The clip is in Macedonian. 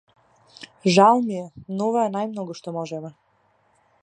Жал ми е, но ова е најмногу што можеме.